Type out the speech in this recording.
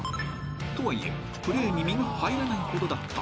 ［とはいえプレーに身が入らないほどだった］